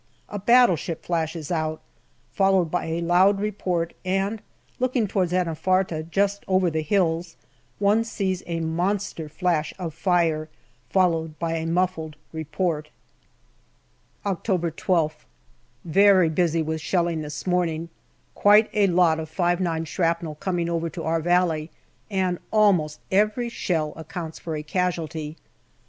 A battleship flashes out, followed by a loud report, and looking towards Anafarta, just over the hills, one sees a monster flash of fire followed by a muffled report. October 12th. Very busy with shelling this morning. Quite a lot of 5*9 shrapnel coming over to our valley, and almost every shell accounts for a casualty.